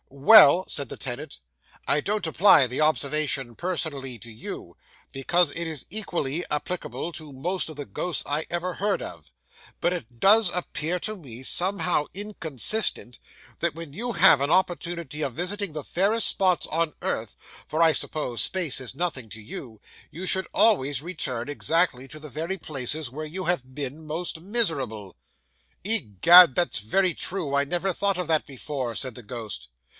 "Well," said the tenant, "I don't apply the observation personally to you, because it is equally applicable to most of the ghosts I ever heard of; but it does appear to me somewhat inconsistent, that when you have an opportunity of visiting the fairest spots of earth for I suppose space is nothing to you you should always return exactly to the very places where you have been most miserable." "Egad, that's very true; I never thought of that before," said the ghost.